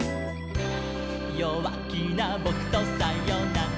「よわきなぼくとさよなら」